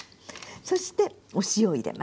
そしてお塩入れます。